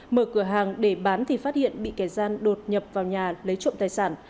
mở cửa hàng để bán thì phát hiện bị kẻ gian đột nhập vào nhà lấy trộm tài sản